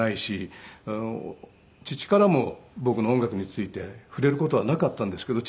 父からも僕の音楽について触れる事はなかったんですけど。